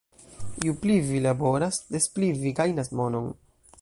Ju pli vi laboras, des pli vi gajnas monon